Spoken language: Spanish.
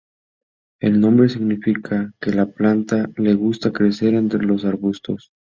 El nombre significa que la planta le gusta crecer entre los arbustos.